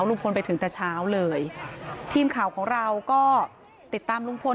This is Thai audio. ลุงพลไปถึงแต่เช้าเลยทีมข่าวของเราก็ติดตามลุงพล